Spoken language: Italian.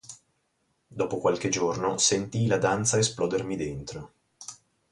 Dopo qualche giorno sentii la danza esplodermi dentro.